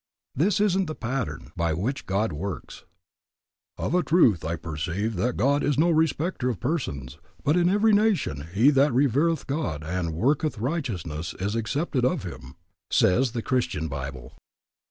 This isn't the pattern by which God works. Of a truth I perceive that God is no respecter of persons, but in every nation he that revereth God and worketh righteousness is accepted of Him, says the Christian Bible.